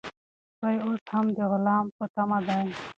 سپی اوس هم د غلام په تمه دی.